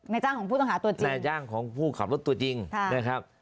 จ้างของผู้ต้องหาตัวจริงนายจ้างของผู้ขับรถตัวจริงนะครับ